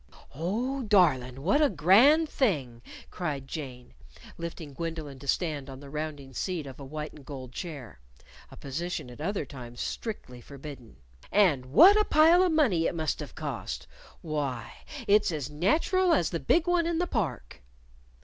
"Oh, darlin', what a grand thing!" cried Jane, lifting Gwendolyn to stand on the rounding seat of a white and gold chair (a position at other times strictly forbidden). "And what a pile of money it must've cost! Why, it's as natural as the big one in the Park!"